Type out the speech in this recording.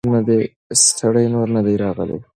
سړی نور نه دی راغلی.